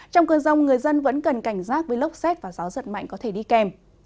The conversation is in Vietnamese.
trong cơn rông người dân vẫn cần cảnh giác với lốc xét và gió giật mạnh có thể đi kèm